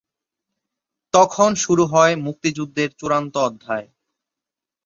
তখন শুরু হয় মুক্তিযুদ্ধের চূড়ান্ত অধ্যায়।